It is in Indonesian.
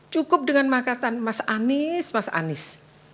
cukup dengan makatan mas anies mas anies